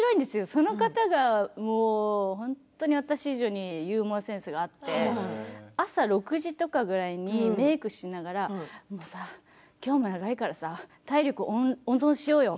その方が私以上にユーモアセンスがあって朝６時とかぐらいにメークしながら今日も長いからさ体力温存しようよ。